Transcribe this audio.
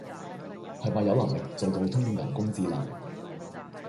係咪有能力做到通用人工智能